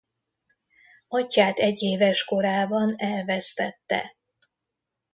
Atyját egy éves korában elvesztette.